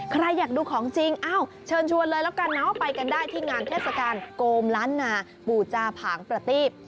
ใครอยากดูของจริงเอ้าเชิญชวนเลยแล้วกันเนาะไปกันได้ที่งานเทศกาลโกมล้านนาปู่จาผางประตีบ